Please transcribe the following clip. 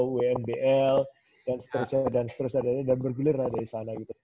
wnbl dan seterusnya dan bergelir lah dari sana gitu